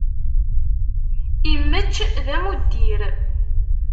Imečč d amuddir.